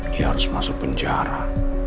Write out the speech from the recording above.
dia harus masuk penjara